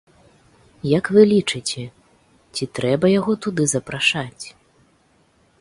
Як вы лічыце, ці трэба яго туды запрашаць?